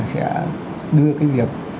sẽ đưa cái việc